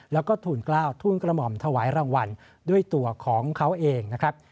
แล้วก็ทูลกล้าวทูลกระหม่อมถวายรางวัลด้วยตัวของเขาเองนะครับ